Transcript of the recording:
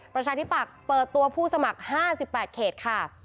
ประชาธิปัตย์เปิดตัวผู้สมัคร๕๘เขตค่ะ